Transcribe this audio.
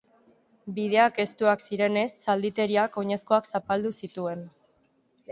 Bideak estuak zirenez, zalditeriak oinezkoak zapaldu zituen.